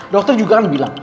dokter juga kan bilang